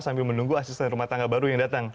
sambil menunggu asisten rumah tangga baru yang datang